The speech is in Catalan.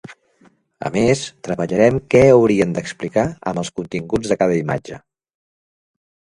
A més, treballarem què haurien d'explicar amb els continguts de cada imatge.